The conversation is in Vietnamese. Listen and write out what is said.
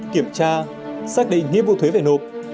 kiểm tra xác định nhiệm vụ thuế về nộp